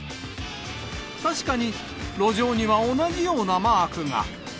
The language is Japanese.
確かに路上には同じようなマークが。